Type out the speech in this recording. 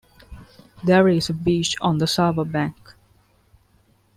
There is a beach on the Sava bank.